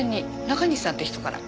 中西さんって人から。